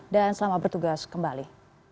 dan selamat bertugas kembali